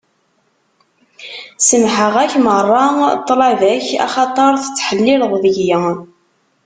Semmḥeɣ-ak meṛṛa ṭṭlaba-k, axaṭer tettḥellileḍ deg-i.